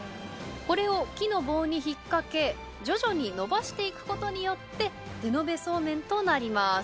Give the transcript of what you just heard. これを木の棒に引っ掛け徐々にのばして行くことによって手延べそうめんとなります。